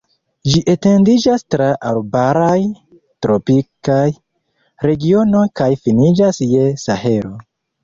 Ĝi etendiĝas tra arbaraj, tropikaj, regionoj kaj finiĝas je Sahelo.